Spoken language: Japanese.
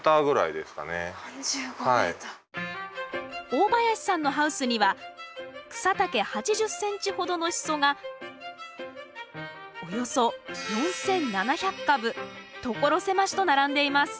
大林さんのハウスには草丈８０ｃｍほどのシソがおよそ４，７００株所狭しと並んでいます。